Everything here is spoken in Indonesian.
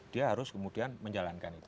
dia harus kemudian menjalankan itu